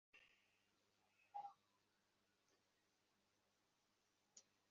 নিয়ে যা কাপড়, নিয়ে যা।